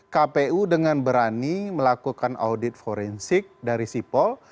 kpu dengan berani melakukan audit forensik dari si paul